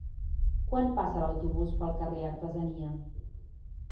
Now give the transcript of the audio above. Quan passa l'autobús pel carrer Artesania?